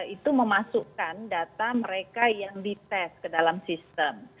itu memasukkan data mereka yang dites ke dalam sistem